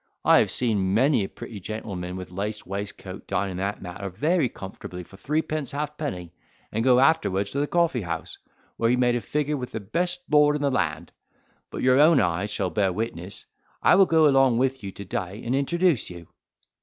I have seen many a pretty gentleman with a laced waistcoat dine in that manner very comfortably for three pence halfpenny, and go afterwards to the coffee house, where he made a figure with the best lord in the land; but your own eyes shall bear witness—I will go along with you to day and introduce you."